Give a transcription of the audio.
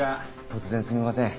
突然すみません。